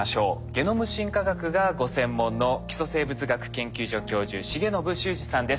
ゲノム進化学がご専門の基礎生物学研究所教授重信秀治さんです。